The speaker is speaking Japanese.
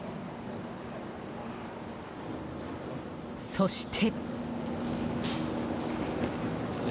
そして。